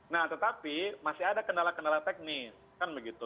nah tetapi masih ada kendala kendala teknis kan begitu